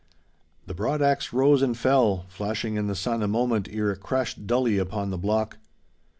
The broad axe rose and fell, flashing in the sun a moment ere it crashed dully upon the block.